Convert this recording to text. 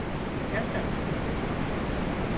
Gel tatlım.